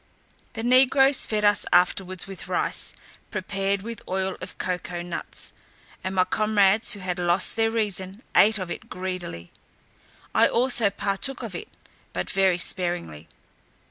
The negroes fed us afterwards with rice, prepared with oil of cocoa nuts; and my comrades, who had lost their reason, ate of it greedily. I also partook of it, but very sparingly.